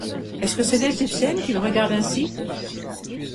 Est-ce que c'est l'égyptienne qu'il regarde ainsi?